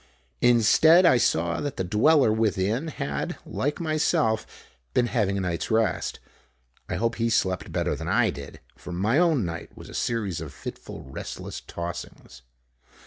Instead, I saw that the dweller within had, like myself, been having a night's rest. I hope he slept better than I did, for my own night was a series of fitful, restless tossings.